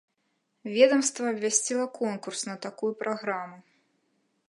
Ведамства абвясціла конкурс на такую праграму.